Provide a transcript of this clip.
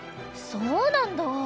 そうなんだ！